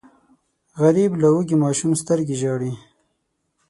غریب له وږي ماشوم سترګو ژاړي